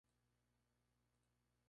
Hideyuki Akai